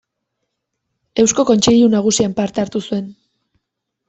Eusko Kontseilu Nagusian parte hartu zuen.